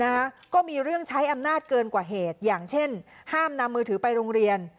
นะคะก็มีเรื่องใช้อำนาจเกินกว่าเหตุอย่างเช่นห้ามนำมือถือไปโรงเรียน